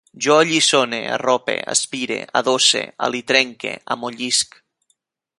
Jo alliçone, arrope, aspire, adosse, alitrenque, amollisc